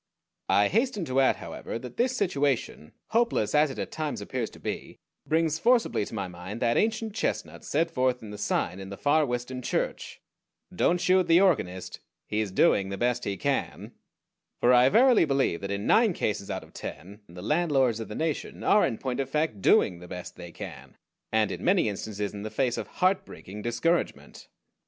I hasten to add, however, that this situation, hopeless as it at times appears to be, brings forcibly to my mind that ancient chestnut set forth in the sign in the Far Western church DON'T SHOOT THE ORGANIST: HE IS DOING THE BEST HE CAN for I verily believe that in nine cases out of ten the landlords of the nation are in point of fact doing the "best they can," and in many instances in the face of heart breaking discouragement.